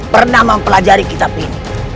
pernah mempelajari kitab ini